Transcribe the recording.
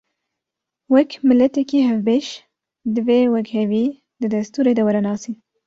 Wek miletekî hevbeş, divê wekhevî di destûrê de were nasîn